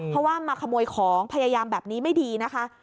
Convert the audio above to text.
เพราะว่ามาขโมยของพยายามแบบนี้ไม่ดีนะคะ